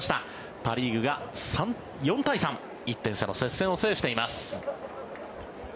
パ・リーグが４対３１点差の接戦を制しています。